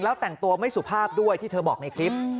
แล้วแต่งตัวไม่สุภาพด้วยที่เธอบอกในคลิป